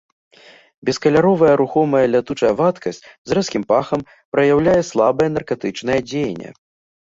Бескаляровая рухомая лятучая вадкасць з рэзкім пахам, праяўляе слабае наркатычнае дзеянне.